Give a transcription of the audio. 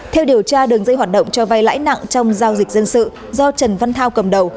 theo điều tra đường dây hoạt động cho vay lãi nặng trong giao dịch dân sự do trần văn thao cầm đầu